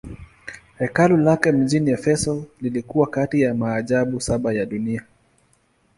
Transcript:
Hekalu lake mjini Efeso lilikuwa kati ya maajabu saba ya dunia.